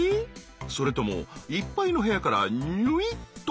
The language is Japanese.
それともいっぱいの部屋からにゅいっと？